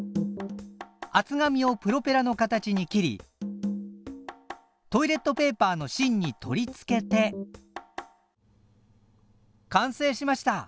厚紙をプロペラの形に切りトイレットペーパーのしんに取り付けて完成しました！